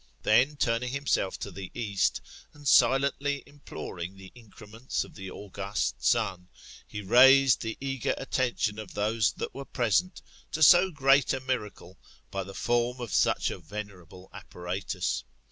Then turning himself to the east, and silently imploring the increments of the august Sun, he raised the eager attention of those that were present, to * so great a miracle, by the form of such a venerable apparatus.